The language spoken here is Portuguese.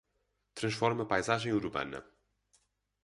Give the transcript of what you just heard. Transforme a paisagem urbana.